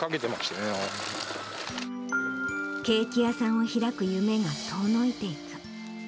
ケーキ屋さんを開く夢が遠のいていく。